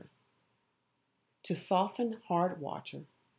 To Soften Hard Water.